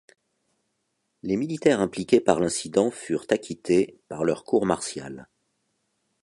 Les militaires impliqués par l'incident furent acquittés par leur cour martiale.